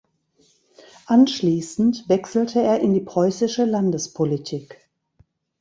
Anschließend wechselte er in die preußische Landespolitik.